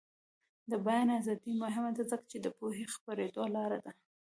د بیان ازادي مهمه ده ځکه چې د پوهې خپریدو لاره ده.